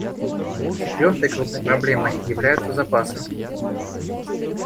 Четвертой крупной проблемой являются запасы.